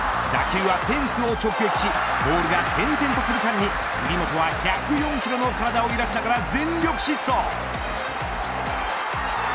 打球はフェンスを直撃しボールが転々とする間に杉本は１０４キロの体を揺らしながら全力疾走。